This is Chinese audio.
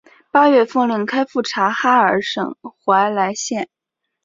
八月奉令开赴察哈尔省怀来县。